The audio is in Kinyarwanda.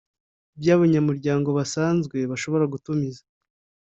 by abanyamuryango basanzwe bashobora gutumiza